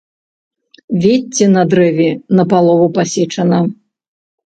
Вецце на дрэве напалову пасечана.